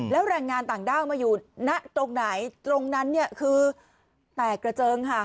แล้วแรงงานต่างด้าวมาอยู่ณตรงไหนตรงนั้นเนี่ยคือแตกกระเจิงค่ะ